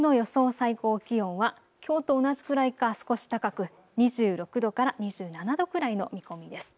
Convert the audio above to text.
最高気温はきょうと同じくらいか少し高く２６度から２７度くらいの見込みです。